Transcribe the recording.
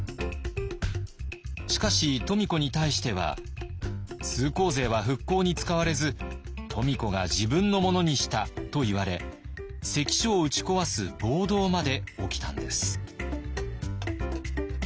しかし富子に対しては「通行税は復興に使われず富子が自分のものにした」といわれ関所を打ち壊す暴動まで起きたんです。